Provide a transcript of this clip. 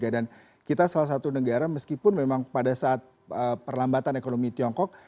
dan kita salah satu negara meskipun memang pada saat perlambatan ekonomi tiongkok